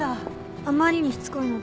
あまりにしつこいので。